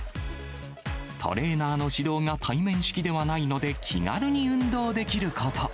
トレーナーの指導が対面式ではないので、気軽に運動できること。